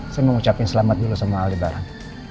saya mau ucapin selamat dulu sama aldebaran